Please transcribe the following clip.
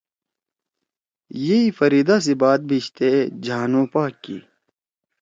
یِئی فریدا سی بات بھیِشتے جھانو پاک کی۔